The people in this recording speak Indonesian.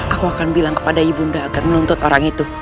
aku akan bilang kepada ibu mda akan meluntut orang itu